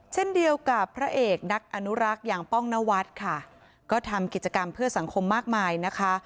เช่นเดียวกับพระเอกนักอนุรักษ์อย่างป้องนวัดค่ะก็ทำกิจกรรมเพื่อสังคมมากมายนะคะ